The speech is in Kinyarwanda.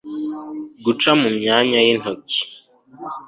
guca mu myanya y'intoki